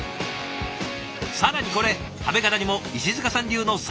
更にこれ食べ方にも石塚さん流の作法が。